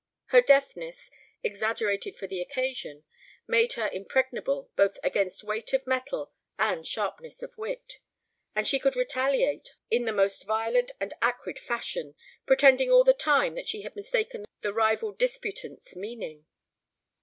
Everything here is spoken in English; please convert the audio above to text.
Her deafness, exaggerated for the occasion, made her impregnable both against weight of metal and sharpness of wit. And she could retaliate in the most violent and acrid fashion, pretending all the time that she had mistaken the rival disputant's meaning.